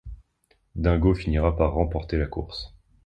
Dingo finira par remporter la course.